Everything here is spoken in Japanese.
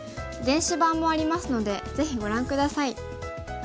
電子版もありますのでぜひご覧下さい。